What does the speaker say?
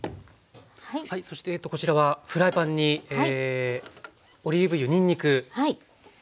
そしてこちらはフライパンにオリーブ油にんにくですね。